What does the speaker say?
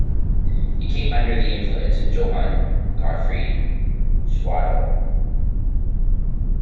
He came under the influence of Johann Gottfried Schadow.